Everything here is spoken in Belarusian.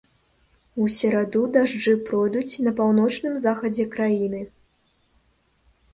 У сераду дажджы пройдуць на паўночным захадзе краіны.